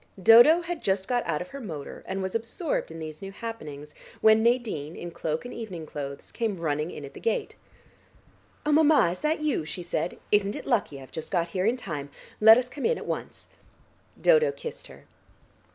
Dodo had just got out of her motor and was absorbed in these new happenings, when Nadine in cloak and evening clothes came running in at the gate. "Oh, mamma, is that you?" she said. "Isn't it lucky; I've just got here in time. Let us come in at once." Dodo kissed her.